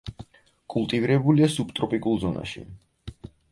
კულტივირებულია სუბტროპიკულ ზონაში.